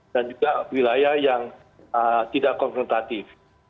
dan juga wilayah yang tidak konfrontatif